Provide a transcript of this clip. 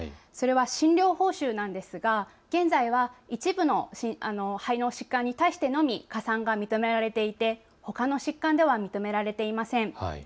それは診療報酬なんですが現在は一部の肺の疾患に対してのみ加算が認められていて、ほかの疾患では認められていません。